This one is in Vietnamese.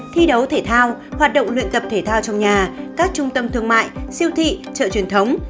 thi đấu thể thao hoạt động luyện tập thể thao trong nhà các trung tâm thương mại siêu thị chợ truyền thống